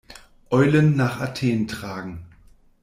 Eulen nach Athen tragen.